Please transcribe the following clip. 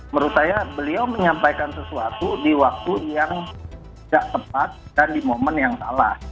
menurut saya beliau menyampaikan sesuatu di waktu yang tidak tepat dan di momen yang salah